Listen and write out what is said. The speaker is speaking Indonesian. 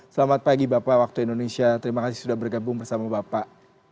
selamat pagi bapak waktu indonesia terima kasih sudah bergabung bersama bapak